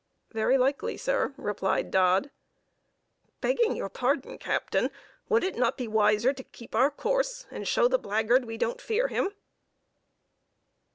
"Very likely, sir," replied Dodd. "Begging your pardon, captain, would it not be wiser to keep our course, and show the blackguard we don't fear him?"